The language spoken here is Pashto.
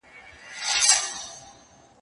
کارگه د زرکي تگ کاوه، خپل دا ئې هېر سو.